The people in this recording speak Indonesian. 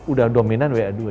udah dominan wa dua